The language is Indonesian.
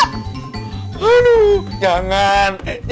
aduh jangan jangan berdudak aduh